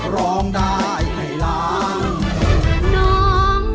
ร้องได้ให้ล้าน